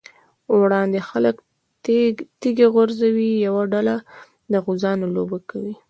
وړاندې خلک تيږه غورځوي، یوه ډله د غوزانو لوبه کوي.